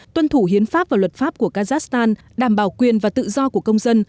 tuân thủ hiến pháp và luật pháp của kazakhstan đảm bảo quyền và tự do của công dân